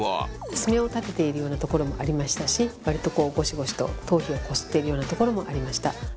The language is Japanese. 爪を立てているようなところもありましたし割とこうゴシゴシと頭皮をこすっているようなところもありました。